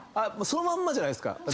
そのまんまじゃないですか。